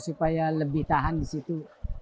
supaya lebih tahan disitu